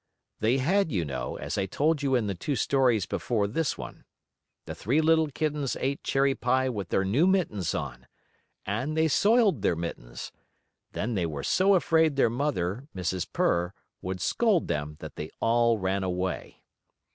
They had, you know, as I told you in the two stories before this one. The three little kittens ate cherry pie with their new mittens on. And they soiled their mittens. Then they were so afraid their mother, Mrs. Purr, would scold them that they all ran away.